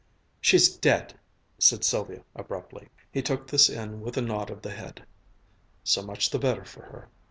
"She's dead," said Sylvia abruptly. He took this in with a nod of the head. "So much the better for her.